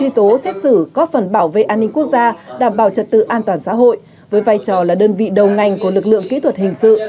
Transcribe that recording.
viện khoa học hình sự có phần bảo vệ an ninh quốc gia đảm bảo trật tự an toàn xã hội với vai trò là đơn vị đầu ngành của lực lượng kỹ thuật hình sự